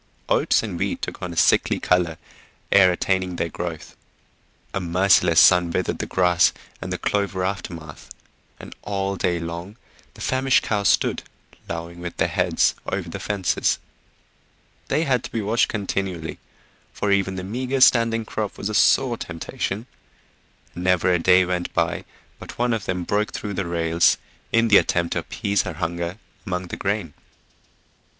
Oats and wheat took on a sickly colour ere attaining their growth; a merciless sun withered the grass and the clover aftermath, and all day long the famished cows stood lowing with their heads over the fences. They had to be watched continually, for even the meager standing crop was a sore temptation, and never a day went by but one of them broke through the rails in the attempt to appease her hunger among the grain.